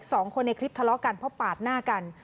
สองคนในคลิปทะเลาะกันเพราะปาดหน้ากัน